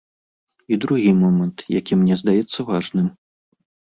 І другі момант, які мне здаецца важным.